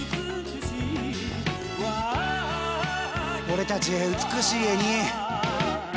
俺たち美しい絵に！